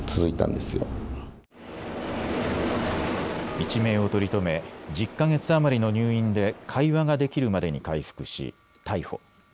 一命を取り留め、１０か月余りの入院で会話ができるまでに回復し、逮捕。